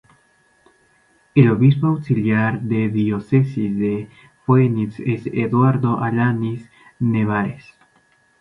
El obispo auxiliar de la Diócesis de Phoenix es Eduardo Alanis Nevares.